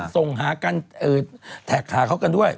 ส่งหากันแท็กหาเขากันด้วย